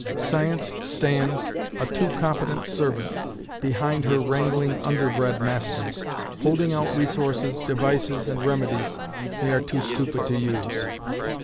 Science stands, a too competent servant, behind her wrangling underbred masters, holding out resources, devices, and remedies they are too stupid to use.